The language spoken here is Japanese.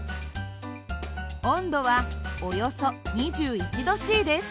温度はおよそ２１℃です。